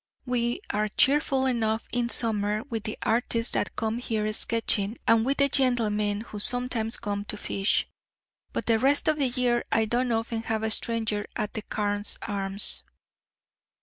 We are cheerful enough in summer with the artists that come here sketching, and with the gentlemen who sometimes come to fish; but the rest of the year I don't often have a stranger at the 'Carne's Arms.'"